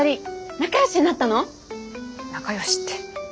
仲よしって。